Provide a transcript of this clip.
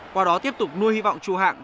qua đó tiếp tục nuôi hy vọng chú hạng